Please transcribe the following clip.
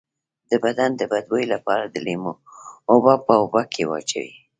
د بدن د بد بوی لپاره د لیمو اوبه په اوبو کې واچوئ